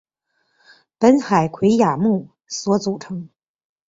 本海葵亚目所组成。